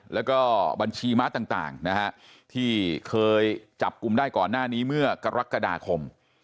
แล้วก็บัญชีม้าต่างนะฮะที่เคยจับกลุ่มได้ก่อนหน้านี้เมื่อกรกฎาคม